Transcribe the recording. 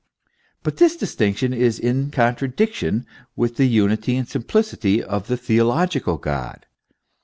* But this distinction is in contradiction with the unity and simplicity of the theological God.